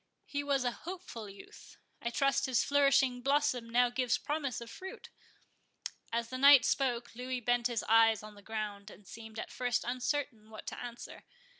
He was a hopeful youth; I trust his flourishing blossom now gives promise of fruit?" As the knight spoke, Louis bent his eyes on the ground, and seemed at first uncertain what to answer.